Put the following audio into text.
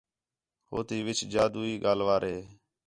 ہو تی وِچ جادوی ڳالھ وار ہِے